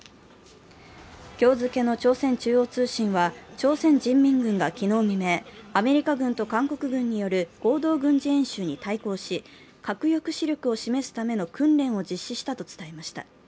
今日付けの朝鮮中央通信は朝鮮人民軍が昨日未明、アメリカ軍と韓国軍による合同軍事演習に対抗し核抑止力を示すための訓練を実施したと伝えました。